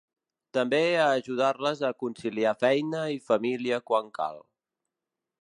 També a ajudar-les a conciliar feina i família quan cal.